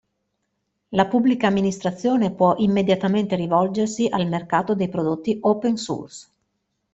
La Pubblica Amministrazione può immediatamente rivolgersi al mercato dei prodotti open source.